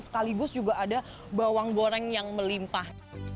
sekaligus juga ada bawang goreng yang melimpah